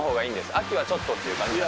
秋はちょっとって感じですか。